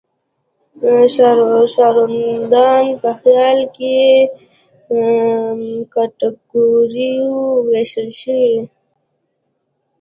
ښاروندان په خیالي کټګوریو ویشل شوي.